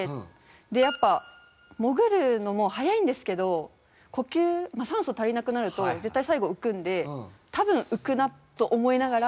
でやっぱ潜るのも速いんですけど呼吸酸素足りなくなると絶対最後浮くんで多分浮くなと思いながら。